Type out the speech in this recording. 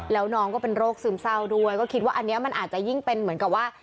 แล้วน้องก็เป็นโรคซึมเศร้าด้วยก็คิดว่าอันนี้มันอาจจะยิ่งเป็นเหมือนกับว่า